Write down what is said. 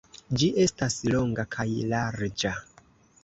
Ĝi estas longa kaj larĝa.